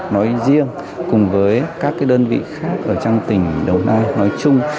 nói riêng cùng với các đơn vị khác ở trong tỉnh đồng nai nói chung